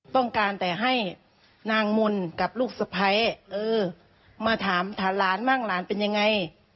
ต้องการแต่ให้นางมนต์กับลูกสะพ้ายเออมาถามหลานบ้างหลานเป็นยังไง